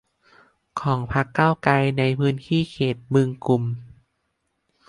ของพรรคก้าวไกลในพื้นที่เขตบึงกุ่ม